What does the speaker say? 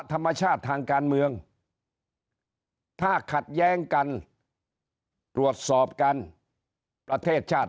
ธรรมชาติทางการเมืองถ้าขัดแย้งกันตรวจสอบกันประเทศชาติ